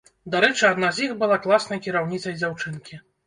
Дарэчы, адна з іх была класнай кіраўніцай дзяўчынкі.